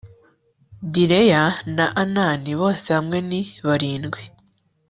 Delaya na Anani bose hamwe ni barindwi